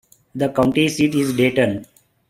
The county seat is Dayton.